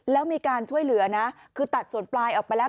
แล้วมีการช่วยเหลือนะคือตัดส่วนปลายออกไปแล้ว